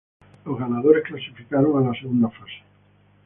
Los ganadores clasificaron a la Segunda fase.